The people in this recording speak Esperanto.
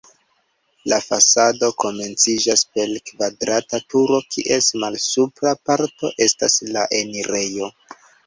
La fasado komenciĝas per kvadrata turo, kies malsupra parto estas la enirejo.